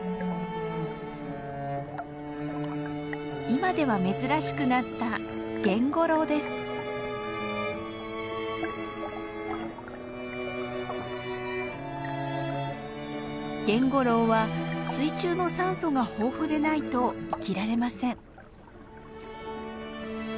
今では珍しくなったゲンゴロウは水中の酸素が豊富でないと生きられません。